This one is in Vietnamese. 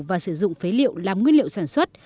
và sử dụng phế liệu làm nguyên liệu sản xuất